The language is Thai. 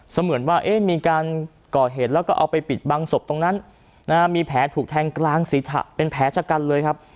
เหมือนว่ามีการก่อเหตุแล้วก็เอาไปปิดบังศพตรงนั้นมีแผลถูกแทงกลางศีรษะเป็นแผลชะกันเลยครับ